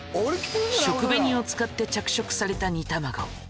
食紅を使って着色された煮卵。